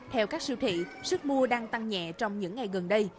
theo các siêu thị sức mua đang tăng nhẹ trong những ngày gần đây